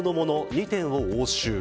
２点を押収。